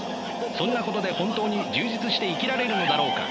そんなことで本当に充実して生きられるのだろうか。